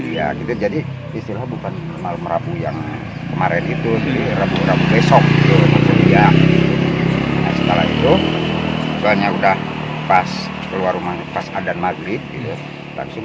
dia ngedit jadi istilah bukannya malam rabu yang kemarin itu dirabu rabu besok while ng